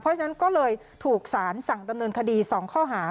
เพราะฉะนั้นก็เลยถูกสารสั่งดำเนินคดี๒ข้อหา